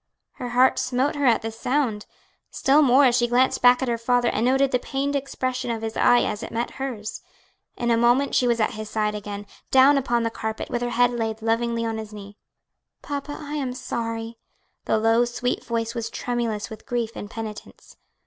Her heart smote her at the sound; still more as she glanced back at her father and noted the pained expression of his eye as it met hers. In a moment she was at his side again, down upon the carpet, with her head laid lovingly on his knee. "Papa, I am sorry." The low, street voice was tremulous with grief and penitence.